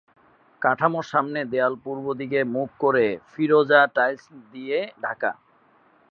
কাঠামোর সামনের দেয়াল পূর্ব দিকে মুখ করে ফিরোজা টাইলস দিয়ে ঢাকা।